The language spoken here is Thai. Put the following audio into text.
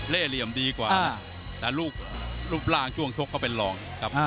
เหลี่ยมดีกว่าแต่รูปร่างช่วงชกเขาเป็นรองครับ